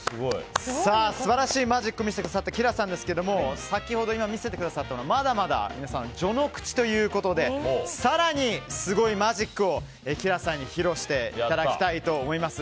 素晴らしいマジックを見せてくださったＫｉＬａさんですが今見せてくださったのはまだまだ序の口ということで更にすごいマジックをＫｉＬａさんに披露していただきたいと思います。